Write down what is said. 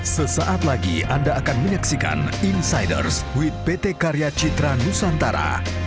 sesaat lagi anda akan menyaksikan insiders with pt karya citra nusantara